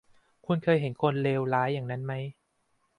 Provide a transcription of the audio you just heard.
คุณเคยเห็นคนเลวร้ายอย่างนั้นไหม